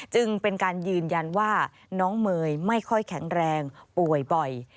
จึงเป็นการยืนยันว่าน้องเมย์ไม่ค่อยแข็งแรงป่วยบ่อย